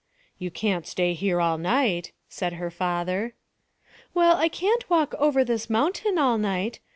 'You can't stay here all night,' said her father. 'Well, I can't walk over this mountain all night.